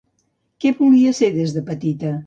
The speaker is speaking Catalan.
Què volia ser des de petita?